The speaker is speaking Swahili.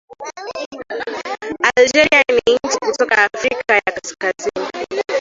Algeria ni nchi kutoka Afrika ya Kaskazini